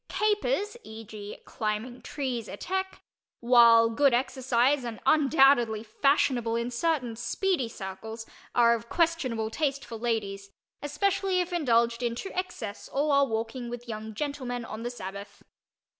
"Capers" (e. g. climbing trees, etc.), while good exercise and undoubtedly fashionable in certain "speedy" circles, are of questionable taste for ladies, especially if indulged in to excess or while walking with young gentlemen on the Sabbath.